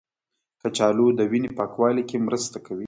کچالو د وینې پاکوالي کې مرسته کوي.